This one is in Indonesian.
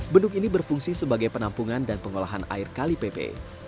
bendung ini berfungsi sebagai penampungan dan pengolahan air kali pepe